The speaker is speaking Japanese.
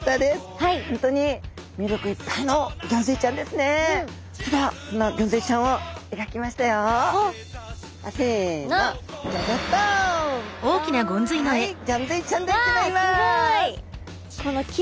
はいギョンズイちゃんでギョざいます。